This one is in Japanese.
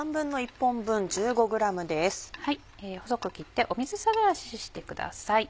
細く切って水さらししてください。